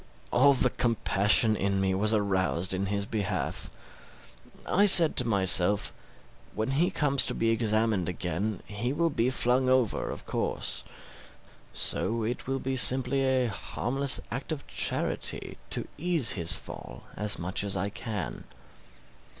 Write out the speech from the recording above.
All the compassion in me was aroused in his behalf. I said to myself, when he comes to be examined again, he will be flung over, of course; so it will be simple a harmless act of charity to ease his fall as much as I can.